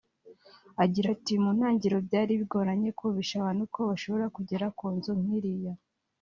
Agira ati ʺMu ntangiriro byari bigoranye kumvisha abantu ko bashobora kugera ku nzu nk’iriya